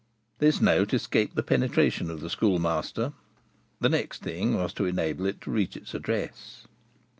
This note escaped the penetration of the Schoolmaster; the next thing was to enable it to reach its address.